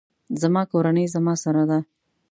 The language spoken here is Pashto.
زما کورنۍ زما سره ده